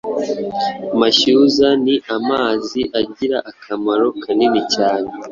Mashyuza ni amazi agira akamaro kanini cyane